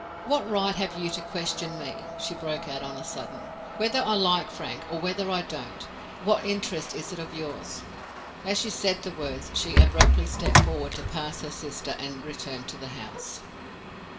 "What right have you to question me?" she broke out on a sudden. "Whether I like Frank, or whether I don't, what interest is it of yours?" As she said the words, she abruptly stepped forward to pass her sister and return to the house.